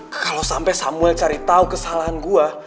nah kalau sampai samuel cari tahu kesalahan gue